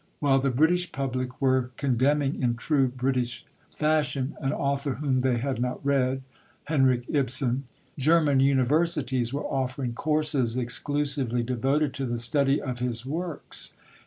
While the British public were condemning in true British fashion an author whom they had not read Henrik Ibsen German universities were offering courses exclusively devoted to the study of his works.